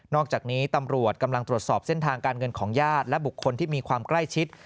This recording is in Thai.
อกจากนี้ตำรวจกำลังตรวจสอบเส้นทางการเงินของญาติและบุคคลที่มีความใกล้ชิด